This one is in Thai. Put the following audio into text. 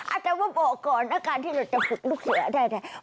อาจจะว่าบอกก่อนนะการที่เราจะฝึกลูกเสือได้เนี่ย